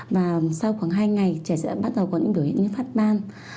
và sau khoảng hai ngày trẻ sẽ bắt đầu có những biểu hiện như phát ban